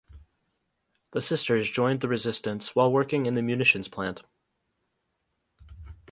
The sisters joined the resistance while working in the munitions plant.